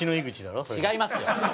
違いますよ。